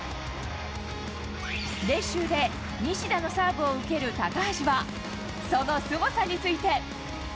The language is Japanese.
練習で西田のサーブを受ける高橋は、そのすごさについて。